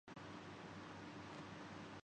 لیکن سوال پھر وہی۔